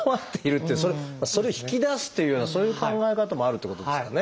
それを引き出すっていうようなそういう考え方もあるっていうことですかね。